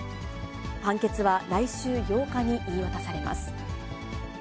判決は来週８日に言い渡されます。